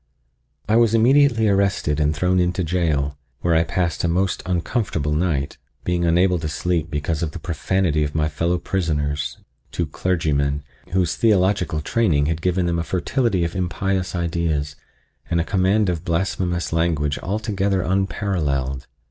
I was immediately arrested and thrown into jail, where I passed a most uncomfortable night, being unable to sleep because of the profanity of my fellow prisoners, two clergymen, whose theological training had given them a fertility of impious ideas and a command of blasphemous language altogether unparalleled.